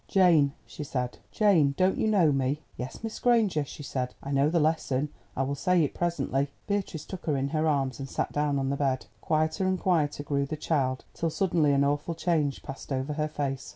"Jane," she said. "Jane, don't you know me?" "Yes, Miss Granger," she said, "I know the lesson; I will say it presently." Beatrice took her in her arms, and sat down on the bed. Quieter and quieter grew the child till suddenly an awful change passed over her face.